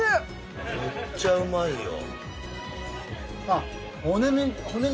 めっちゃうまいよ。